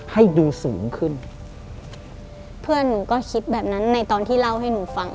ให้ดูสูงขึ้นเพื่อนหนูก็คิดแบบนั้นในตอนที่เล่าให้หนูฟัง